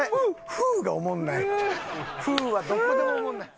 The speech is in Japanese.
「フー」はどこでもおもんない。